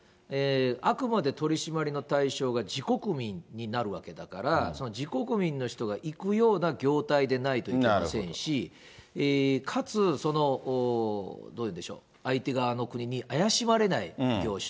あくまで取り締まりの対象が自国民になるわけだから、その自国民の人がいくような業態でないといけませんし、かつその、どういうんでしょう、相手側の国に怪しまれない業種。